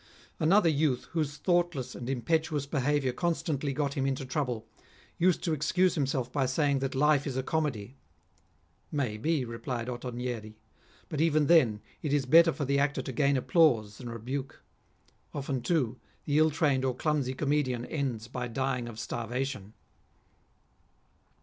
Another youth, whose thoughtless and impetuous behaviour constantly got him into trouble, used to excuse himself by saying that life is a comedy. " May be," replied Ottonieri, " but even then it is better for . the actor to gain applause than rebuke ; often, too, the ill trained or clumsy comedian ends by dying of starvation."